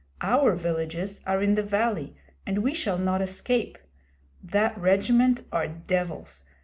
Our villages are in the valley, and we shall not escape. That regiment are devils.